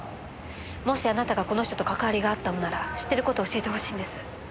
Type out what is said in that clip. もしあなたがこの人とかかわりがあったのなら知ってる事を教えてほしいんです。